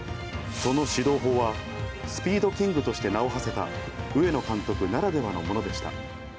その指導法はスピードキングとして名をはせた上野監督ならではのものでした。